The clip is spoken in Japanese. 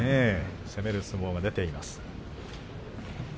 攻める相撲が出ています。